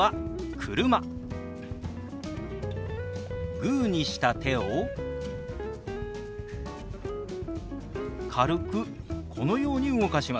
グーにした手を軽くこのように動かします。